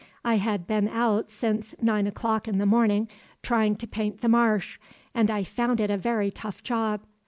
I had been out since nine o'clock in the morning trying to paint the marsh, and I found it a very tough job.